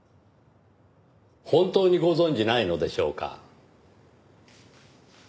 本当にご存じないのでしょうか？